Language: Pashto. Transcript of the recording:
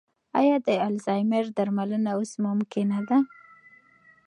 ایا د الزایمر درملنه اوس ممکنه ده؟